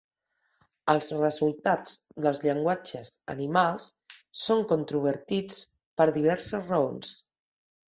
Els resultats dels llenguatges animals són controvertits per diverses raons.